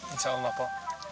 insya allah po